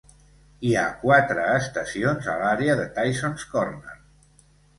Hi ha quatre estacions a l'àrea de Tysons Corner.